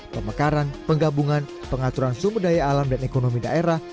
pemekaran penggabungan pengaturan sumber daya alam dan ekonomi daerah